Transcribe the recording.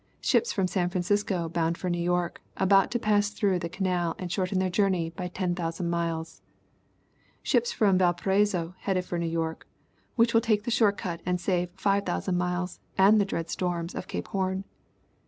Ships from San Francisco, bound for New York, about to pass through the canal and shorten their journey by 10,000 miles. Ships from Valparaiso, headed for New York, which will take the short cut and save 5000 miles and the dread storms of Cape Horn.